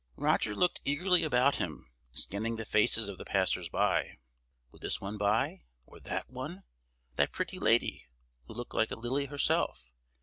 Roger looked eagerly about him, scanning the faces of the passers by. Would this one buy? or that one? that pretty lady, who looked like a lily herself?